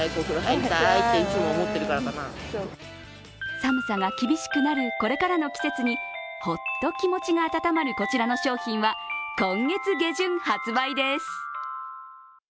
寒さが厳しくなるこれからの季節にホッと気持ちが温まるこちらの商品は、今月下旬発売です。